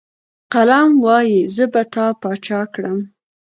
قلم وايي، زه به تا باچا کړم.